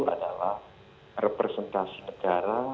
adalah representasi negara